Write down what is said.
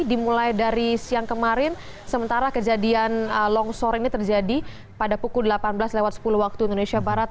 dimulai dari siang kemarin sementara kejadian longsor ini terjadi pada pukul delapan belas sepuluh waktu indonesia barat